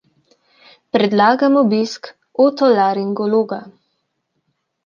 Predlagam obisk otolaringologa.